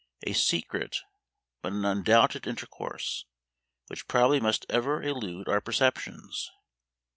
a secret, but an undoubted intercourse, which probably must ever elude our perceptions.